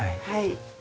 はい。